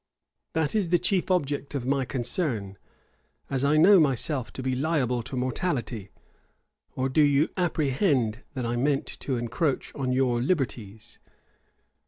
That is the chief object of my concern; as I know myself to be liable to mortality. Or do you apprehend that I meant to encroach on your liberties?